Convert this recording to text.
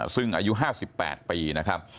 ซึ่งอายุ๕๘ปีนะครับ